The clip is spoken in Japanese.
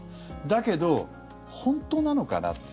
だけど、本当なのかなって。